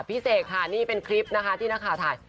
เสกค่ะนี่เป็นคลิปนะคะที่นักข่าวถ่าย